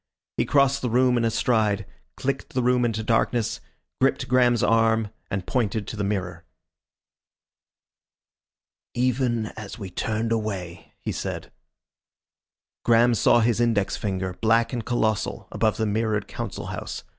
He crossed the room in a stride, clicked the room into darkness, gripped Graham's arm and pointed to the mirror. "Even as we turned away," he said. Graham saw his index finger, black and colossal, above the mirrored Council House.